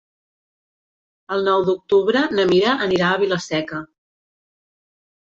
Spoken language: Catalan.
El nou d'octubre na Mira anirà a Vila-seca.